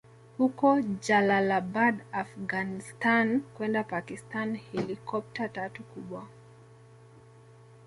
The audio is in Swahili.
huko Jalalabad Afghanistan kwenda Pakistan Helikopta tatu kubwa